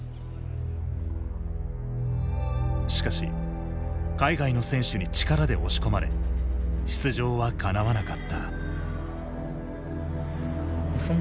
しかし海外の選手に力で押し込まれ出場はかなわなかった。